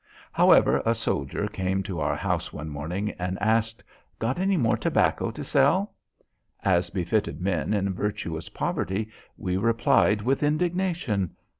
However, a soldier came to our house one morning, and asked, "Got any more tobacco to sell?" As befitted men in virtuous poverty, we replied with indignation.